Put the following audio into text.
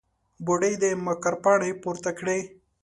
بوډۍ د مکر پاڼې پورته کړې.